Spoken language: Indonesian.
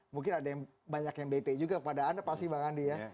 mungkin ada yang banyak yang bete juga kepada anda pasti bang andi ya